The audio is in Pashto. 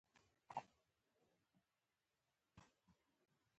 دوی دې شپې دلته راشي ، نو بیا به خبرې وکړو .